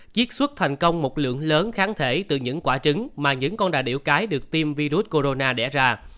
chiết xuất thành công một lượng lớn kháng thể từ những quả trứng mà những con đà điểu cái được tiêm virus corona đẻ ra